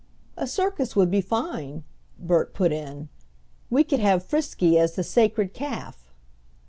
"A circus would be fine," Bert put in. "We could have Frisky as the Sacred Calf."